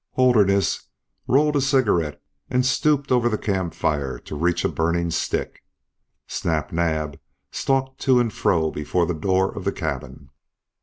Holderness rolled a cigarette and stooped over the campfire to reach a burning stick. Snap Naab stalked to and fro before the door of the cabin.